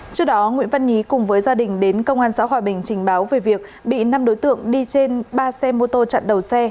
trước đó nguyễn văn nhí cùng với gia đình đến công an xã hòa bình trình báo về việc bị năm đối tượng đi trên ba xe mô tô chặn đầu xe